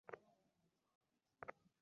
ওর কোন অভিজ্ঞতার অভাব আছে বলে তোমার মনে হয়?